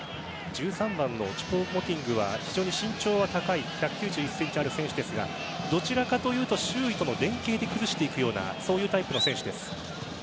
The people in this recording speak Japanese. １３番のチュポ・モティングは非常に身長は高い１９１ｃｍの選手ですがどちらかというと周囲との連係で崩していくようなタイプの選手です。